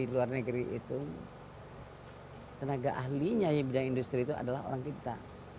di luar negeri itu tenaga ahlinya yang bidang industri itu adalah orang kita